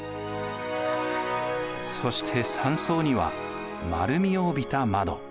そして３層には丸みを帯びた窓。